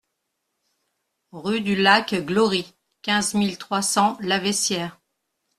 Rue du Lac Glory, quinze mille trois cents Laveissière